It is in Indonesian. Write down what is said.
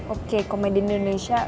oke komedian indonesia